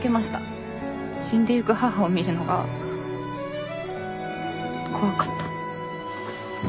死んでゆく母を見るのが怖かった。